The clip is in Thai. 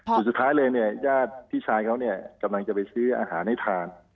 สุดท้ายเลยเนี่ยญาติพี่ชายเขาเนี่ยกำลังจะไปซื้ออาหารให้ทาน